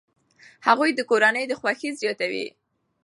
هغوی د کورنۍ خوښي زیاتوي.